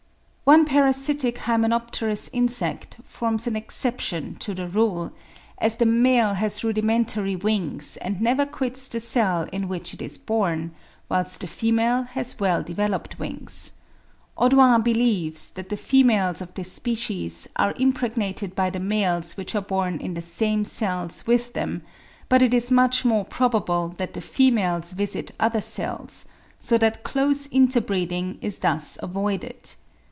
One parasitic Hymenopterous insect (Westwood, 'Modern Class. of Insects,' vol. ii. p. 160) forms an exception to the rule, as the male has rudimentary wings, and never quits the cell in which it is born, whilst the female has well developed wings. Audouin believes that the females of this species are impregnated by the males which are born in the same cells with them; but it is much more probable that the females visit other cells, so that close inter breeding is thus avoided.